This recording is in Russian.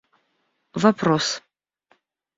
вопрос